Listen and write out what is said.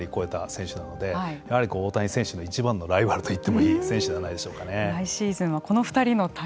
中でも打率も３割超えた選手なのでやはり大谷選手のいちばんのライバルといってもいい選手じゃないでしょうかね。